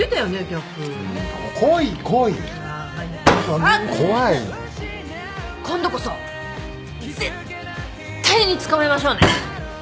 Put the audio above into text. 今度こそ絶対に捕まえましょうね！